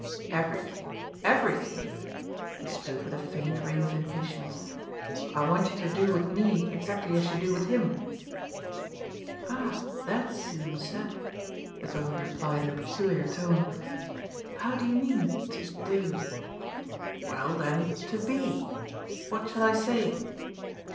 "Everything, everything." He spoke with a faint ring of impatience. "I want you to do with me exactly as you do with him." "Ah that's soon said!" the girl replied in a peculiar tone. "How do you mean, to 'do'?" "Well then to BE. What shall I say?"